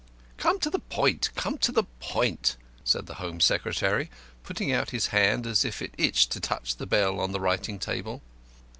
"Come to the point, come to the point," said the Home Secretary, putting out his hand as if it itched to touch the bell on the writing table.